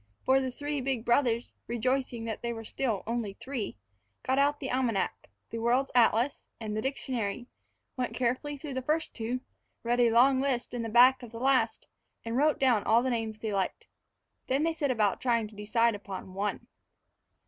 For the three big brothers, rejoicing that they were still only three, got out the almanac, the world's atlas, and the dictionary, went carefully through the first two, read a long list in the back of the last, and wrote down all the names they liked. Then they set about trying to decide upon one.